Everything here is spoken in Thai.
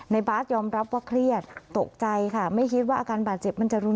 บาสยอมรับว่าเครียดตกใจค่ะไม่คิดว่าอาการบาดเจ็บมันจะรุน